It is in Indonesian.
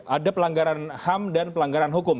ada pelanggaran ham dan pelanggaran hukum